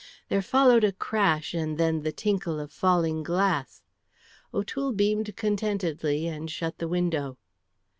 There followed a crash and then the tinkle of falling glass. O'Toole beamed contentedly and shut the window.